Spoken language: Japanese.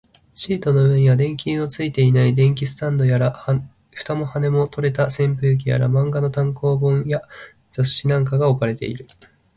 シートの上には、電球のついていない電気スタンドやら、蓋も羽も取れた扇風機やら、漫画の単行本や雑誌なんかが置かれている